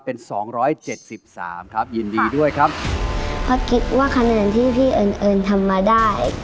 เป็นสองร้อยเจ็ดสิบสามครับยินดีด้วยครับเพราะคิดว่าคะแนนที่พี่เอิญเอิญทำมาได้